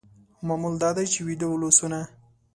معمول دا دی چې ویده ولسونه